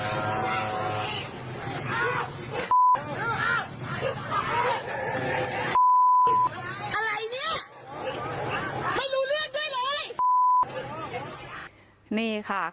อะไรนะ